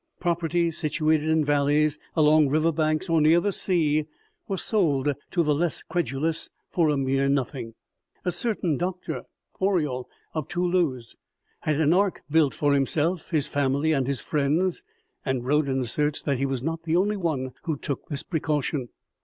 Property situated in valleys, along river banks, or near the sea, was sold to the less credulous for a mere nothing. A certain doctor, Auriol, of Toulouse, had an ark built for himself, his family and his friends, and Bodin asserts that he was not the only one who took this precaution.